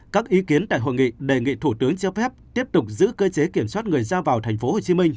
các ý kiến tại hội nghị đề nghị thủ tướng cho phép tiếp tục giữ cơ chế kiểm soát người ra vào tp hcm